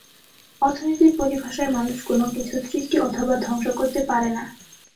অর্থনীতির পরিভাষায় মানুষ কোনো কিছু সৃষ্টি অথবা ধ্বংস করতে পারে না।